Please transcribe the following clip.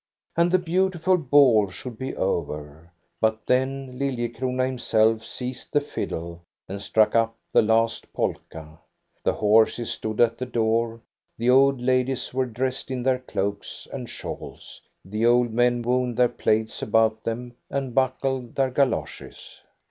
And the beautiful ball should be over, but then Lilliecrona himself seized the fiddle and struck up the last polka. The horses stood at the door; the old ladies were dressed in their cloaks and shawls; the old men wound their plaids about them and buckled their galoshes.